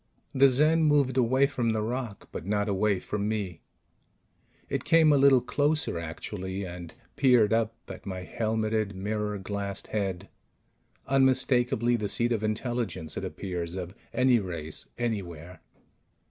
The Zen moved away from the rock, but not away from me. It came a little closer, actually, and peered up at my helmeted, mirror glassed head unmistakably the seat of intelligence, it appears, of any race anywhere.